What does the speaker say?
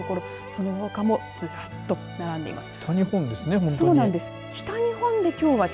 そのほかもずらっと並んでいます。